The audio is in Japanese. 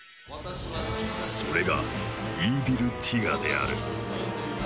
それがイーヴィルティガである。